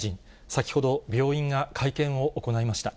先ほど、病院が会見を行いました。